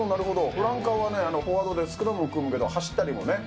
フランカーはフォワードでスクラム組むけど、走ったりもね。